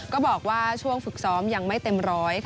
ก็บอกว่าช่วงฝึกซ้อมยังไม่เต็มร้อย